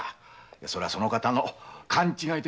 それはその方の勘違いですよ。